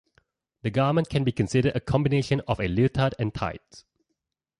The garment can be considered a combination of a leotard and tights.